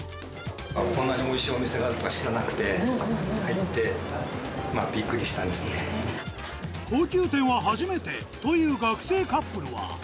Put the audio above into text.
こんなにおいしいお店があるとは知らなくて、高級店は初めてという学生カップルは。